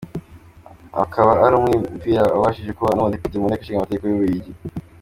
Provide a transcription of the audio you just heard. Akaba ari umwimukira wabashije kuba n’umudepite mu Nteko Ishinga Amategeko y’Ububiligi.